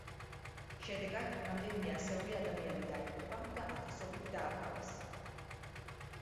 შედეგად, რამდენიმე ასეული ადამიანი დაიღუპა და ათასობით დააკავეს.